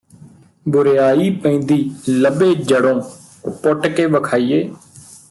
ਬੁਰਿਆਈ ਪੈਂਦੀ ਲੱਭੇ ਜੜ੍ਹੋਂ ਪੁੱਟ ਕੇ ਵਖਾਈਏ